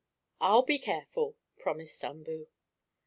"I'll be careful," promised Umboo.